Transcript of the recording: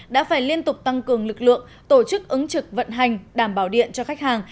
đã phải liên tục tăng cường lực lượng tổ chức ứng trực vận hành đảm bảo điện cho khách hàng